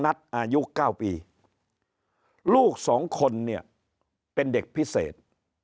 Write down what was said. อายุ๙ปีลูกสองคนเนี่ยเป็นเด็กพิเศษ